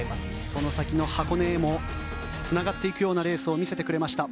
その先の箱根へもつながっていくようなレースを見せてくれました。